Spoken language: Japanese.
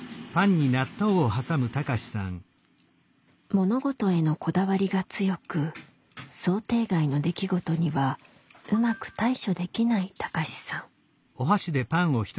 物事へのこだわりが強く想定外の出来事にはうまく対処できない貴志さん。